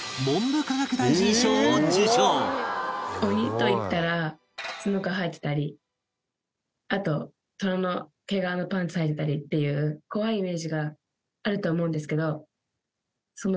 鬼といったらツノが生えてたりあと虎の毛皮のパンツはいてたりっていう怖いイメージがあると思うんですけど。